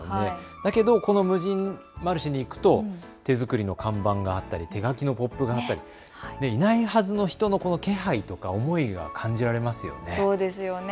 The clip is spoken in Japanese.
だけどこの無人マルシェに行くと手作りの看板があったり、手書きのポップがあったり、いないはずの人の気配というもの感じられますよね。